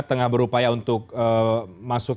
tengah berupaya untuk masuk